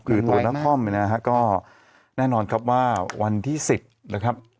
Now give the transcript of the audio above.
คือตรวจละคร่อมนะครับก็แน่นอนครับว่าวันที่๑๐นะครับ